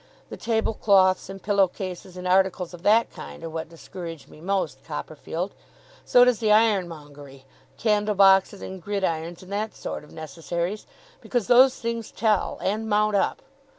The table cloths, and pillow cases, and articles of that kind, are what discourage me most, Copperfield. So does the ironmongery candle boxes, and gridirons, and that sort of necessaries because those things tell, and mount up.